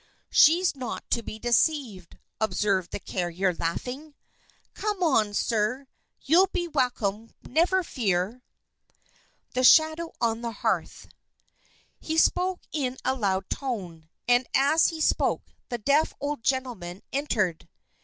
"She's not to be deceived," observed the carrier, laughing. "Come along, sir. You'll be welcome, never fear!" The Shadow on the Hearth He spoke in a loud tone; and as he spoke, the deaf old gentleman entered.